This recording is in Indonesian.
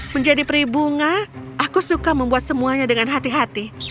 menjadi peribunga aku suka membuat semuanya dengan hati hati